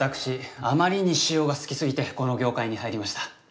あまりに塩が好きすぎてこの業界に入りました。